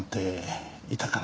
いたかな？